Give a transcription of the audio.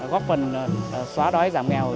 góp phần xóa đói giảm nghèo